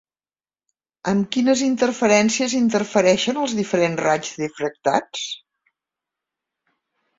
Amb quines interferències interfereixen els diferents raigs difractats?